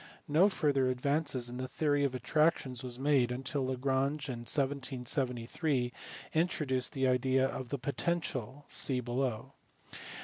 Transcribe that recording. No further advance in the theory of attractions was made until Lagrange in 1773 introduced the idea of the potential (see below, p.